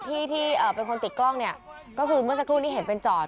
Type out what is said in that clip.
ที่ที่เป็นคนติดกล้องเนี่ยก็คือเมื่อสักครู่นี้เห็นเป็นจอด